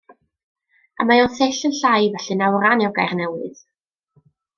A mae o'n sill yn llai felly nawran yw'r gair newydd.